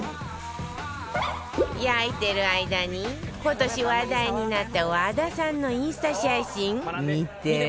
焼いてる間に今年話題になった和田さんのインスタ写真見て